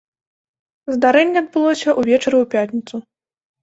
Здарэнне адбылося ўвечары ў пятніцу.